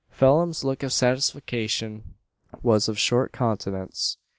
Phelim's look of satisfaction was of short continuance.